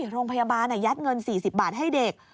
โรงพยาบาลยัดเงิน๔๐บาทให้เด็ก